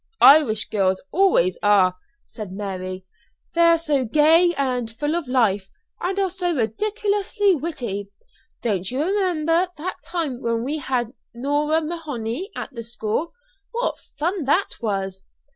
"Irish girls always are," said Mary. "They're so gay and full of life, and are so ridiculously witty. Don't you remember that time when we had Norah Mahoney at the school? What fun that was!"